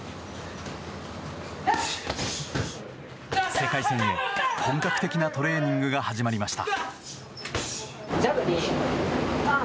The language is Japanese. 世界戦へ、本格的なトレーニングが始まりました。